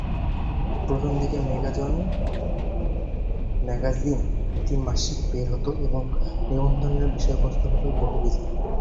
প্রথমদিকে mega zone magazine দ্বি-মাসিক বের হত এবং নিবন্ধের বিষয়বস্তু ছিলো বহুবিধ।